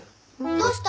どうした？